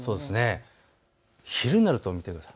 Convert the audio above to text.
昼になると、見てください。